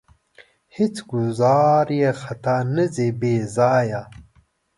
هېڅ ګوزار یې خطا نه ځي بې ځایه.